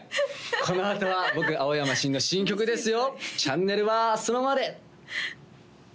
このあとは僕青山新の新曲ですよ